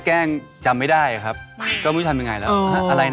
เวลาไหร่ที่ทะเลาะกันก็จะพัน